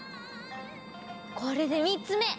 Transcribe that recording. これで３つ目！